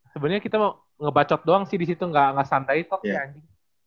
sebenernya kita ngebacot doang sih disitu gak santai talknya